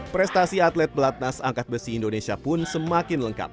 prestasi atlet pelatnas angkat besi indonesia pun semakin lengkap